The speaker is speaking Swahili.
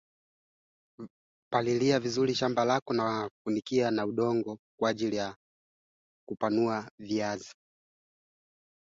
Kupe huingiza vimelea hivyo vya Ndigana kwa mnyama mwingine wakati wa mlo unaofuatia